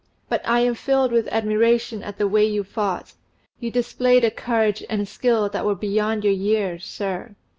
But I am filled with admiration at the way you fought; you displayed a courage and a skill that were beyond your years, sir."